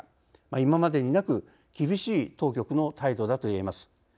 今までになく厳しい当局の態度だと言えます。